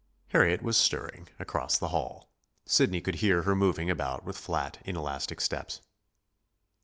Harriet was stirring, across the hall. Sidney could hear her moving about with flat, inelastic steps.